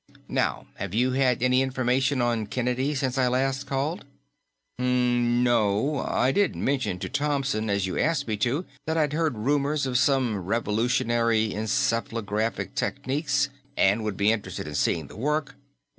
Now, have you had any information on Kennedy since I called last?" "Hm, no. I did mention to Thomson, as you asked me to, that I'd heard rumors of some revolutionary encephalographic techniques and would be interested in seeing the work.